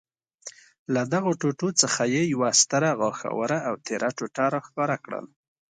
له دغو ټوټو څخه یې یوه ستره، غاښوره او تېره ټوټه را ښکاره کړل.